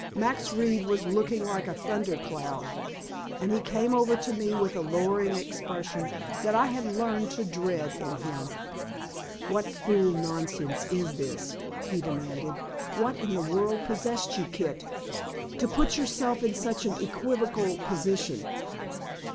Max Reed was looking like a thundercloud, and he came over to me with a lowering expression that I had learned to dread in him. "What fool nonsense is this?" he demanded. "What in the world possessed you, Kit, to put yourself in such an equivocal position?